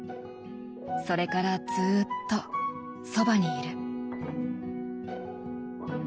それからずっとそばにいる。